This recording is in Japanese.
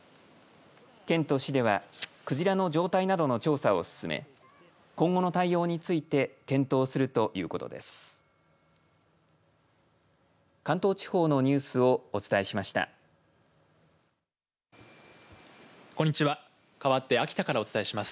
県と市ではクジラの状態などの調査を進め今後の対応について検討するということです。